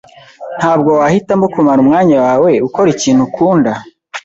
Ntabwo wahitamo kumara umwanya wawe ukora ikintu ukunda?